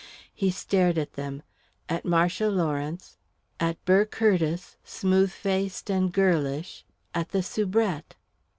He stared at them at Marcia Lawrence; at Burr Curtiss, smooth faced and girlish; at the soubrette....